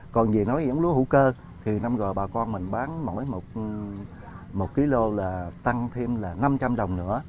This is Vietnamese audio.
còn về giống lúa hữu cơ thì năm gọi bà con mình bán mỗi một kg là tăng thêm là năm trăm linh đồng nữa